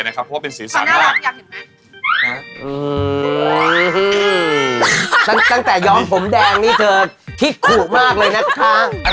นะคะเพราะว่าเป็นศิริสัยมากตอนน่ารักอยากเห็นมั้ย